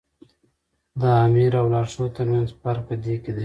د آمر او لارښود تر منځ فرق په دې کې دی.